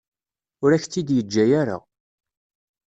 Ur ak-tt-id-yeǧǧa ara.